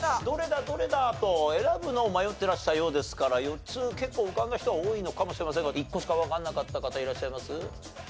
どれだ？」と選ぶのを迷ってらしたようですから４つ結構浮かんだ人は多いのかもしれませんが１個しかわかんなかった方いらっしゃいます？